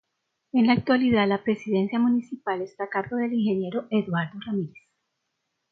En la actualidad, la presidencia municipal está a cargo del ingeniero Eduardo Ramírez.